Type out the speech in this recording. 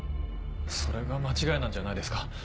それが間違いなんじゃないですか？